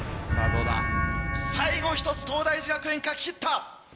最後１つ東大寺学園書き切った。